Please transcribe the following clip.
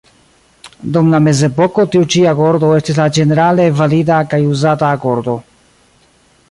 Dum la mezepoko tiu ĉi agordo estis la ĝenerale valida kaj uzata agordo.